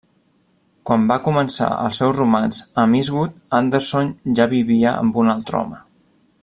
Quan va començar el seu romanç amb Eastwood, Anderson ja vivia amb un altre home.